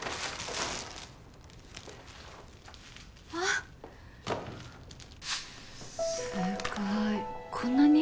あっすごいこんなに？